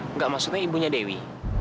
nggak maksudnya ibunya dewi